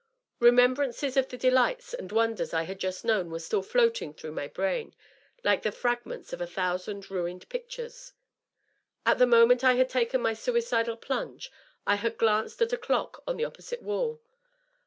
Remembrances of the delights and wonders I had just known were still floating through my brain, like the frag ments of a thousand ruined pictures. At the moment I had taken my suicidal plunge I had glanced at a clock on the opposite wall.